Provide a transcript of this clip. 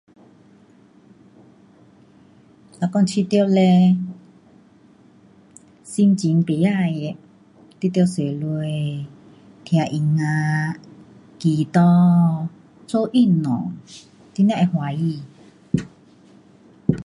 嘞我觉得嘞，心情不适的，你得坐下，听音乐，祈祷，做运动，你才会欢喜。